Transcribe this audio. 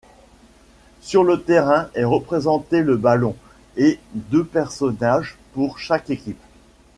Sur le terrain est représenté le ballon et deux personnages pour chaque équipe.